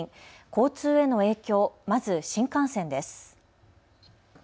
交通への影響、まず新幹線です。